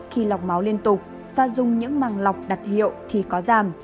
khi lọc máu liên tục và dùng những màng lọc đặt hiệu thì có giảm